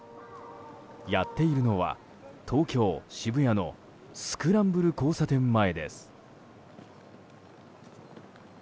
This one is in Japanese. やっているのは東京・渋谷のスクランブル交差点前です。